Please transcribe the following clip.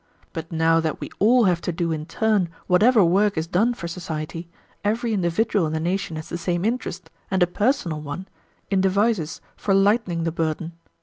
But now that we all have to do in turn whatever work is done for society, every individual in the nation has the same interest, and a personal one, in devices for lightening the burden.